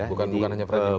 bukan hanya freddy